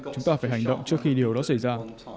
chúng ta phải hành động trước khi điều đó xảy ra